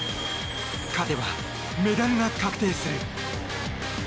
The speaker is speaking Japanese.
勝てばメダルが確定する。